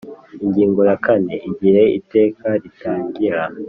Ingingo ya kane Igihe Iteka ritangira